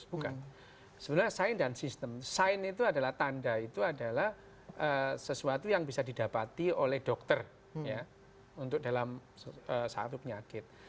bukan sebenarnya sign dan sistem sign itu adalah tanda itu adalah sesuatu yang bisa didapati oleh dokter untuk dalam satu penyakit